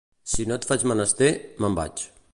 Si no et faig menester, me'n vaig.